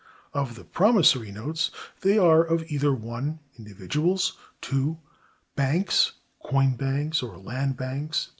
Of the promissory notes, they are of either (1) Individuals, (2) Banks (Coin Banks or Land Banks, etc.)